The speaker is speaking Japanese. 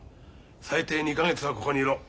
最低２か月はここにいろ。